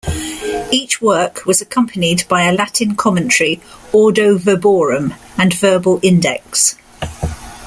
Each work was accompanied by a Latin commentary, "ordo verborum", and verbal index.